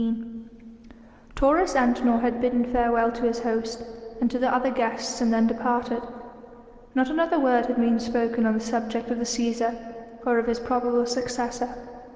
Taurus Antinor had bidden farewell to his host, and to the other guests and then departed. Not another word had been spoken on the subject of the Cæsar or of his probable successor.